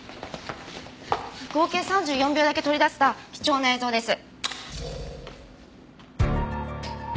合計３４秒だけ取り出せた貴重な映像です。